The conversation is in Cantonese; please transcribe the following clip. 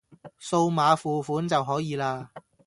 掃碼付款就可以喇